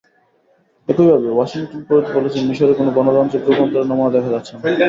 একইভাবে Washington Post বলেছে, মিসরে কোনো গণতান্ত্রিক রূপান্তরের নমুনা দেখা যাচ্ছে না।